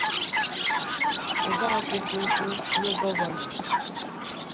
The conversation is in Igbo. ode akwụkwọ ukwu nye Gọvanọ